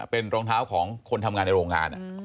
เป็นรองเท้าของคนทำงานในโรงงาน